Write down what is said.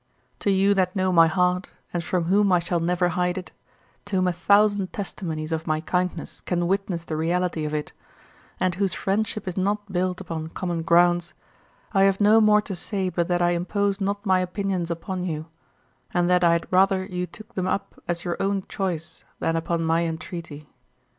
To you that know my heart, and from whom I shall never hide it, to whom a thousand testimonies of my kindness can witness the reality of it, and whose friendship is not built upon common grounds, I have no more to say but that I impose not my opinions upon you, and that I had rather you took them up as your own choice than upon my entreaty.